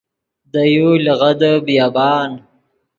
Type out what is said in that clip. دے یو لیغدے بیابان